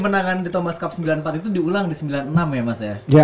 menangani thomas cup sembilan puluh empat itu diulang di sembilan puluh enam ya mas ya